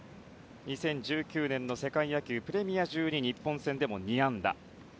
２０１９年の世界野球プレミア１２日本戦でも２安打。